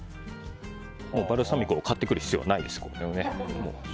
バルサミコ酢を買ってくる必要はないです。